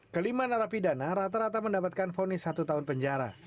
kelima narapidana rata rata mendapatkan fonis satu tahun penjara